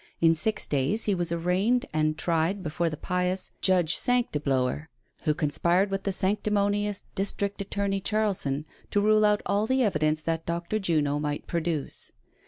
In six days he was arraigned and tried before the pious Judge Sanctiblower, ■who conspired with the sanctimonious District Attorney Charlson, to rule out all the evidence that Dr. Juno might produce.